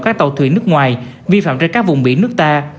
các tàu thuyền nước ngoài vi phạm trên các vùng biển nước ta